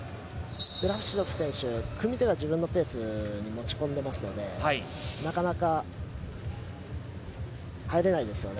ラシドフ選手組み手が自分のペースに持ち込んでいますのでなかなか入れないですよね。